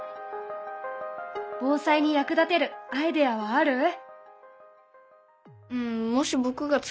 防災に役立てるアイデアはある？